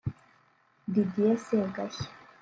Didier Segashya